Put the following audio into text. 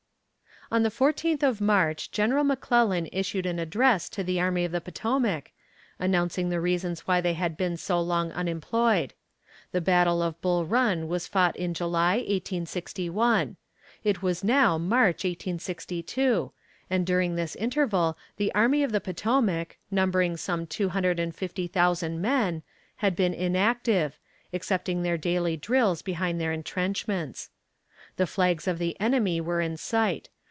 On the 14th of March General McClellan issued an address to the army of the Potomac, announcing the reasons why they had been so long unemployed. The battle of Bull Run was fought in July, 1861. It was now March, 1862, and during this interval the army of the Potomac, numbering some two hundred and fifty thousand men, had been inactive, excepting their daily drills behind their entrenchments. The flags of the enemy were in sight.